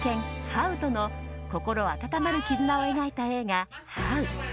ハウとの心温まる絆を描いた映画「ハウ」。